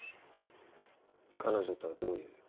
彼女とはどういう？